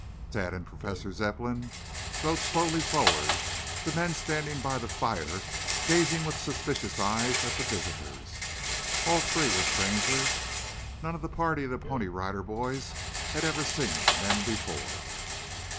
Tad and Professor Zepplin rode slowly forward, the men standing by the fire, gazing with suspicious eyes at the visitors. All three were strangers. None of the party of Pony Rider Boys had ever seen the men before.